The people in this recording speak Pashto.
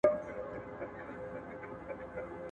له کم اصلو ګلو ډک دي په وطن کي شنه باغونه.